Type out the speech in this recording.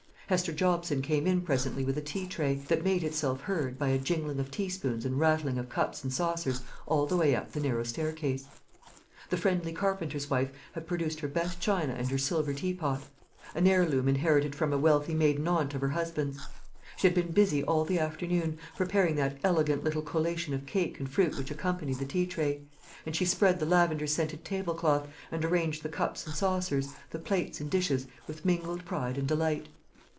Hester Jobson came in presently with a tea tray, that made itself heard, by a jingling of teaspoons and rattling of cups and saucers, all the way up the narrow staircase. The friendly carpenter's wife had produced her best china and her silver teapot, an heirloom inherited from a wealthy maiden aunt of her husband's. She had been busy all the afternoon, preparing that elegant little collation of cake and fruit which accompanied the tea tray; and she spread the lavender scented table cloth, and arranged the cups and saucers, the plates and dishes, with mingled pride and delight.